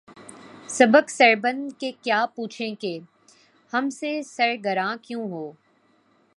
سبک سر بن کے کیا پوچھیں کہ ’’ ہم سے سر گراں کیوں ہو؟‘‘